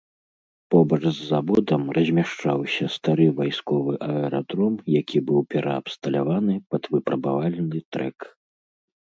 Побач з заводам размяшчаўся стары вайсковы аэрадром, які быў пераабсталяваны пад выпрабавальны трэк.